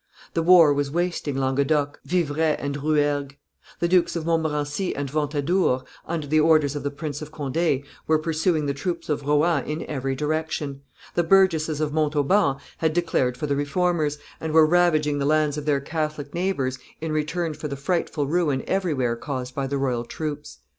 The war was wasting Languedoc, Viverais, and Rouergue; the Dukes of Montmorency and Ventadour, under the orders of the Prince of Conde, were pursuing the troops of Rohan in every direction; the burgesses of Montauban had declared for the Reformers, and were ravaging the lands of their Catholic neighbors in return for the frightful ruin everywhere caused by the royal troops.